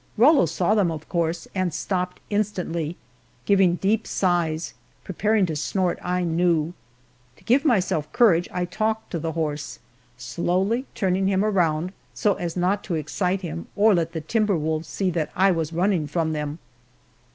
Rollo saw them, of course, and stopped instantly, giving deep sighs, preparing to snort, I knew. To give myself courage I talked to the horse, slowly turning him around, so as to not excite him, or let the timber wolves see that I was running from them.